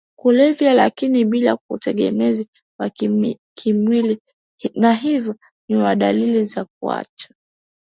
kulevya lakini bila ya utegemezi wa kimwili na hivyo ni wa dalili za kuacha